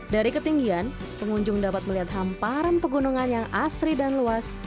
dari ketinggian pengunjung dapat melihat hamparan pegunungan yang asri dan luas